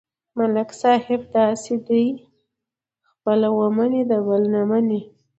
ملک صاحب داسې دی: خپله ومني، د بل نه مني.